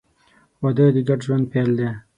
• واده د ګډ ژوند پیل دی.